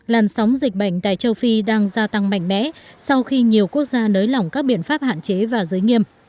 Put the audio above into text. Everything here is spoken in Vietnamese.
làn sóng dịch bệnh tại châu phi đang gia tăng mạnh mẽ sau khi nhiều quốc gia nới lỏng các biện pháp hạn chế và giới nghiêm